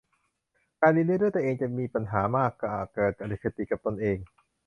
การเรียนรู้ด้วยตัวเองจะมีปัญหามากหากเกิดอคติกับตนเอง